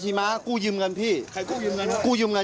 เกี่ยวกับบังดีนมาสอบปากคำเนี่ย